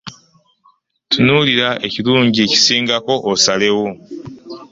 Tunuulira ekirungi ekisingako osalewo.